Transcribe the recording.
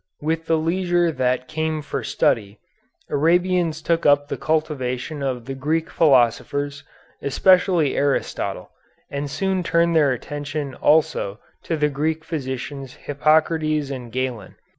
With the leisure that came for study, Arabians took up the cultivation of the Greek philosophers, especially Aristotle, and soon turned their attention also to the Greek physicians Hippocrates and Galen.